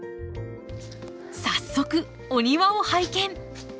早速お庭を拝見。